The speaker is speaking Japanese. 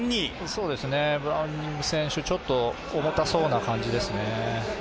ブラウニング選手ちょっと重たそうな感じですね。